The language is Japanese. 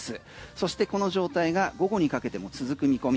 そしてこの状態が午後にかけても続く見込み。